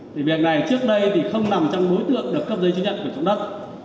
thì việc này trước đây thì không nằm trong đối tượng được cấp giấy chứng nhận quyền chủ động đất